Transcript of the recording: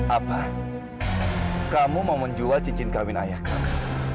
apa kamu mau menjual cincin kawin ayah kami